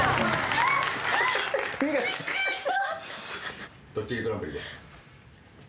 えっ？びっくりした。